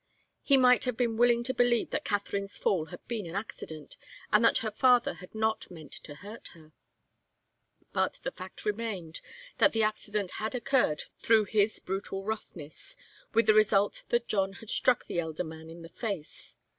He might have been willing to believe that Katharine's fall had been an accident, and that her father had not meant to hurt her, but the fact remained that the accident had occurred through his brutal roughness, with the result that John had struck the elder man in the face.